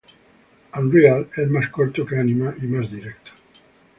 Unreal es más corto que Anima y más directo.